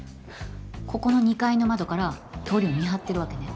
ここの２階の窓から通りを見張ってるわけね。